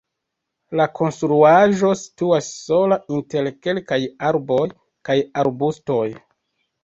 La konstruaĵo situas sola inter kelkaj arboj kaj arbustoj.